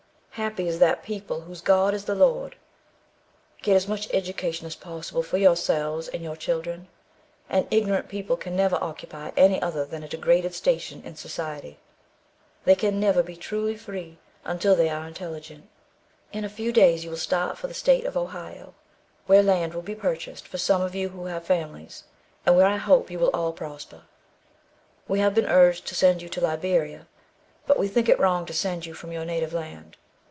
Happy is that people whose God is the Lord. Get as much education as possible for yourselves and your children. An ignorant people can never occupy any other than a degraded station in society; they can never be truly free until they are intelligent. In a few days you will start for the state of Ohio, where land will be purchased for some of you who have families, and where I hope you will all prosper. We have been urged to send you to Liberia, but we think it wrong to send you from your native land.